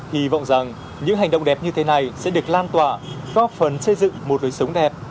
hy vọng rằng những hành động đẹp như thế này sẽ được lan tỏa góp phần xây dựng một đời sống đẹp